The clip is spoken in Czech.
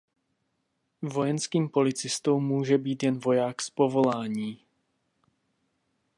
Vojenským policistou může být jen voják z povolání.